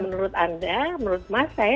menurut anda menurut saya